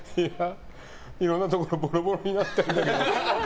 いろんなところボロボロになってるんだけど。